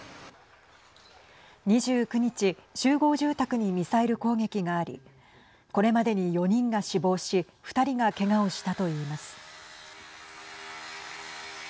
２９日集合住宅にミサイル攻撃がありこれまでに４人が死亡し２人がけがをしたといいます。